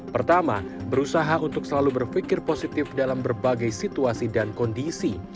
pertama berusaha untuk selalu berpikir positif dalam berbagai situasi dan kondisi